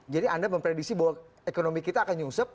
jadi anda memprediksi bahwa ekonomi kita akan nyusup